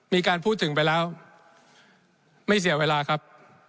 มีการพูดถึงไปแล้วไม่เสียเวลาครับ